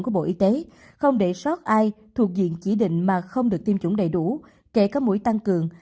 của bộ y tế không để sót ai thuộc diện chỉ định mà không được tiêm chủng đầy đủ kể có mũi tăng cường